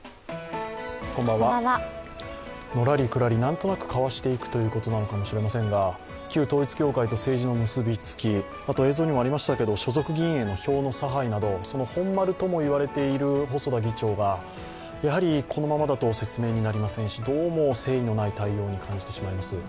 のらりくらり、なんとなくかわしていくということなのかもしれませんが旧統一教会と政治の結びつき、あと映像にもありましたけれども、所属議員への票の差配など、その本丸とも言われている細田議長がやはりこのままだと説明になりませんしどうも誠意のない対応に感じてしまいます。